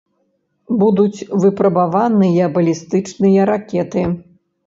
Будуць выпрабаваныя балістычныя ракеты.